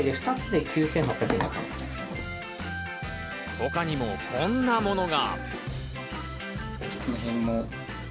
他にも、こんなものが。